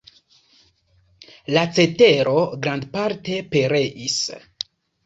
La cetero grandparte pereis.